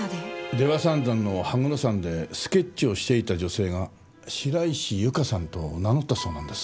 出羽三山の羽黒山でスケッチをしていた女性が白石ゆかさんと名乗ったそうなんです。